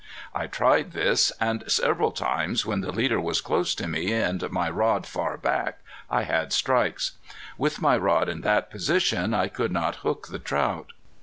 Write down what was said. I tried this, and several times, when the leader was close to me and my rod far back, I had strikes. With my rod in that position I could not hook the trout.